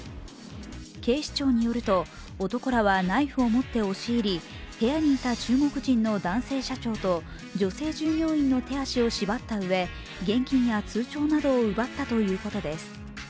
警視庁によると、男らはナイフを持って押し入り、部屋にいた中国人の男性社長と女性従業員の手足を縛ったうえ、現金や通帳などを奪ったということです。